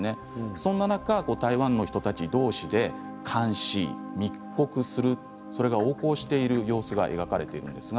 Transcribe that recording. そんな中、台湾の人たちどうしで監視、密告するそれが横行している様子が描かれています。